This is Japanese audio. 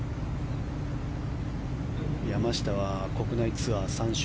山下は国内ツアー３勝。